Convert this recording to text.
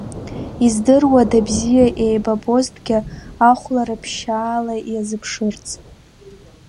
Издыруада бзиа еибабозҭгьы, ахәлара ԥшьаала иазыԥшырц.